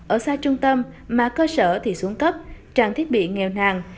ở xa trung tâm mà cơ sở thì xuống cấp trang thiết bị nghèo nàng